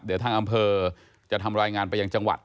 เดี๋ยวทางอำเภอจะทำรายงานไปยังจังหวัด